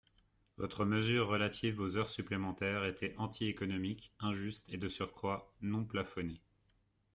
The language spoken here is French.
Votre mesure relative aux heures supplémentaires était anti-économique, injuste et, de surcroît, non plafonnée.